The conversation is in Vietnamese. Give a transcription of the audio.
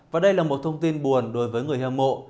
và đây là một thông tin buồn đối với người hâm mộ